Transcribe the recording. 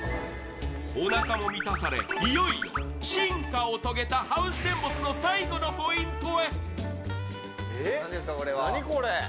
おなかも満たされ、いよいよ進化を遂げたハウステンボスの最後のポイントへ。